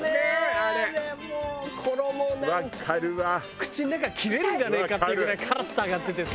口の中切れるんじゃねえかっていうぐらいカラッと揚がっててさ。